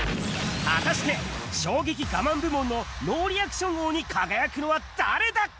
果たして衝撃ガマン部門のノーリアクション王に輝くのは誰だ？